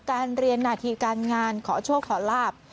การเรียนหน้าที่การงานขอโชคขอลาบ